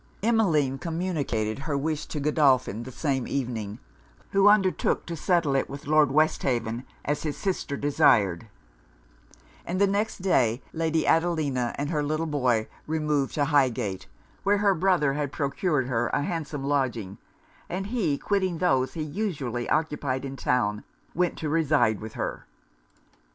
Emmeline communicated her wish to Godolphin the same evening; who undertook to settle it with Lord Westhaven as his sister desired; and the next day Lady Adelina and her little boy removed to Highgate, where her brother had procured her a handsome lodging; and he, quitting those he usually occupied in town, went to reside with her.